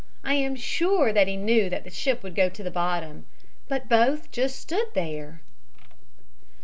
I am sure that he knew that the ship would go to the bottom. But both just stood there."